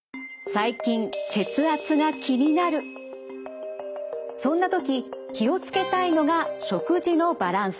最近そんな時気を付けたいのが食事のバランス。